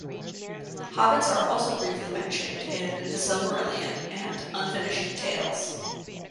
Hobbits are also briefly mentioned in "The Silmarillion" and "Unfinished Tales".